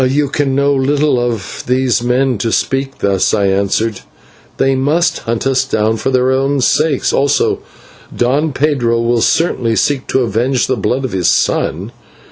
"You can know little of these men to speak thus," I answered; "they must hunt us down for their own sakes, also Don Pedro will certainly seek to avenge the blood of his son.